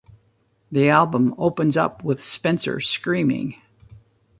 The album opens up with Spencer screaming.